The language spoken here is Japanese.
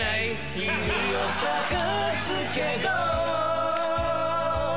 君を捜すけど